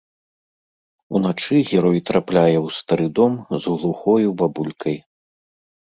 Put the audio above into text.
Уначы герой трапляе ў стары дом з глухою бабулькай.